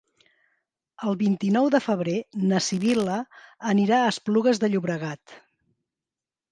El vint-i-nou de febrer na Sibil·la anirà a Esplugues de Llobregat.